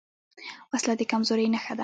وسله د کمزورۍ نښه ده